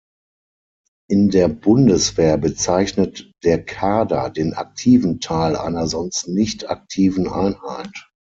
In der Bundeswehr bezeichnet der Kader den aktiven Teil einer sonst nicht-aktiven Einheit.